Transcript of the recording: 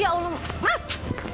ya allah mas